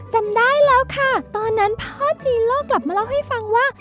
จำได้แล้วค่ะตอนนั้นพ่อจีโล่กลับมาเล่าให้ฟังว่า